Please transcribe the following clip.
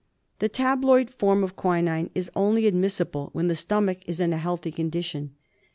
The tabloid form of quinine is only admissible when the stomach is in a healthy condition.